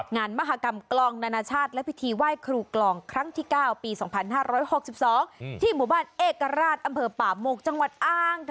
งานมหากรรมกลองนานาชาติและพิธีไหว้ครูกลองครั้งที่๙ปี๒๕๖๒ที่หมู่บ้านเอกราชอำเภอป่าโมกจังหวัดอ้าง